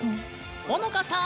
ほのかさん！